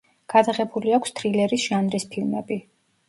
გადაღებული აქვს თრილერის ჟანრის ფილმები.